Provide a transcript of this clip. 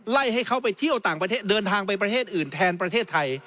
ให้เขาไปเที่ยวต่างประเทศเดินทางไปประเทศอื่นแทนประเทศไทย